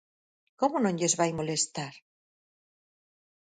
¿Como non lles vai molestar?